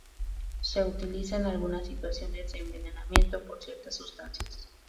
Se utiliza en algunas situaciones de envenenamiento por ciertas sustancias.